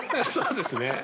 そうですね。